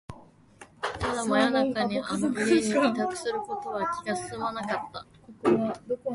ただ、真夜中にあの家に帰宅することは気が進まなかった